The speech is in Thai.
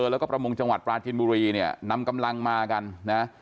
แล้วก็ประมงจังหวัดปราจินบุรีเนี่ยนำกำลังมากันนะ